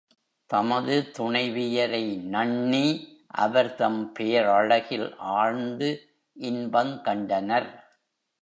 தமது துணைவியரை நண்ணி அவர்தம் பேரழகில் ஆழ்ந்து இன்பங் கண்டனர்.